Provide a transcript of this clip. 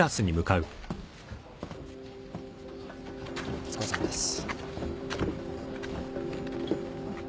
お疲れさまです。